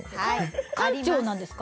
館長なんですか？